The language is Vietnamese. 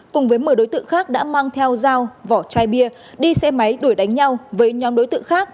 cùng với một mươi đối tượng khác đã mang theo dao vỏ chai bia đi xe máy đuổi đánh nhau với nhóm đối tượng khác